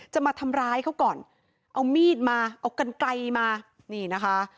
จะมาทำร้ายเขาก่อนเอามีดมาเอากันไกลมานี่นะคะ